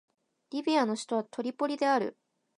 リビアの首都はトリポリである